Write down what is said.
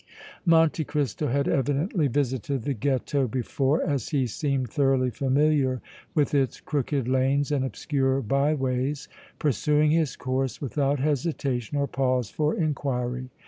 Monte Cristo had evidently visited the Ghetto before, as he seemed thoroughly familiar with its crooked lanes and obscure byways, pursuing his course without hesitation or pause for inquiry.